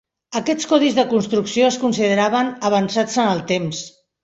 Aquests codis de construcció es consideraven avançats en el temps.